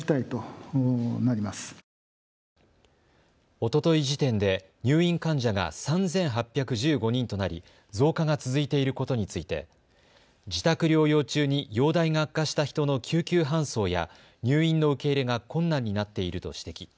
おととい時点で入院患者が３８１５人となり増加が続いていることについて自宅療養中に容体が悪化した人の救急搬送や入院の受け入れが困難になっていると指摘。